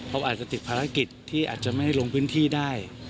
เขาอาจจะติดภารกิจที่อาจจะไม่ลงพื้นที่ได้